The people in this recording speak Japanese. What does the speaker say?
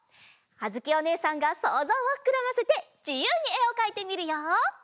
あづきおねえさんがそうぞうをふくらませてじゆうにえをかいてみるよ！